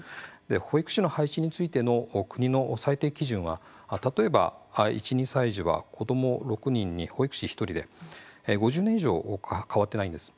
保育士の配置についての国の最低基準は例えば１、２歳児は子ども６人に保育士１人で５０年以上変わってないんです。